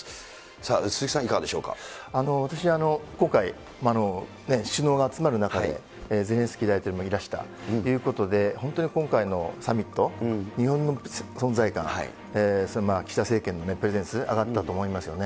さあ、鈴木さん、いかがでしょう私、今回、首脳が集まる中で、ゼレンスキー大統領もいらしたということで、本当に今回のサミット、日本の存在感、岸田政権のね、プレゼンス、上がったと思いますよね。